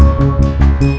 kenapa kamu bers trampat